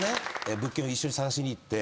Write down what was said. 物件を一緒に探しに行って。